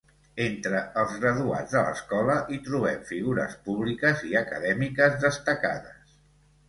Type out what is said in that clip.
Entre els graduats de l'escola hi trobem figures públiques i acadèmiques destacades.